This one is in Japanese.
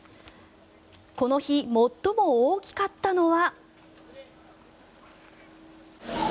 この日、最も大きかったのは。